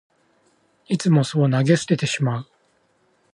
いつもそう投げ捨ててしまう